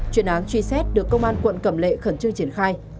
chuyện án truy xét được công an quận cầm lệ khẩn trương triển khai